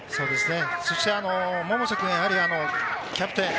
そして百瀬君、やはりキャプテン。